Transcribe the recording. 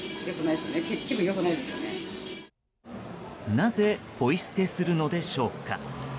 なぜポイ捨てするのでしょうか。